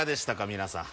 皆さん。